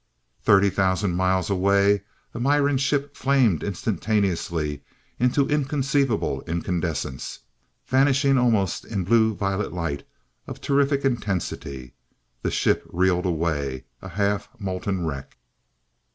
Thirty thousand miles away, a Miran ship flamed instantaneously into inconceivable incandescence, vanishing almost in blue violet light of terrific intensity. The ship reeled away, a half molten wreck.